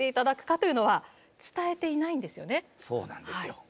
そうなんですよ。